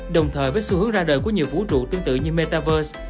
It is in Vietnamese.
đồng thời với xu hướng ra đời của nhiều vũ trụ tương tự như metaverse